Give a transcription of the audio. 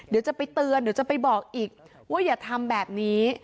เดี๋ยวจะไปเตือนเดี๋ยวจะไปบอกอีกว่าอย่าทำแบบนี้